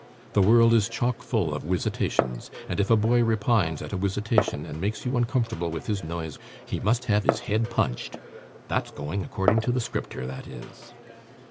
The world is chock full of wisitations; and if a boy repines at a wisitation and makes you uncomfortable with his noise, he must have his head punched. That's going according to the Scripter, that is.